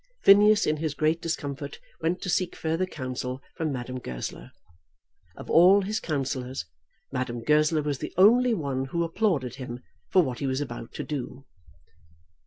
Phineas in his great discomfort went to seek further counsel from Madame Goesler. Of all his counsellors, Madame Goesler was the only one who applauded him for what he was about to do.